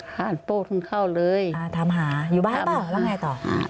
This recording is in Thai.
คันโปะเข้าเลยทำหาอยู่บ้านหรือเปล่าแล้วไงต่อ